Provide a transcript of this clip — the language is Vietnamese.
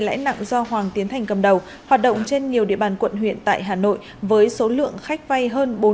lãi nặng do hoàng tiến thành cầm đầu hoạt động trên nhiều địa bàn quận huyện tại hà nội với số lượng khách vay hơn